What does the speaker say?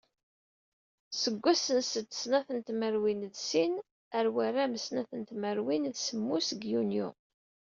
Seg wass n sed snat n tmerwin d sin ar waram snat n tmerwin d semmus deg yunyu.